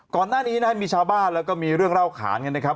ก่อนหน้านี้มีชาวบ้านแล้วก็มีเรื่องเล่าขานกัน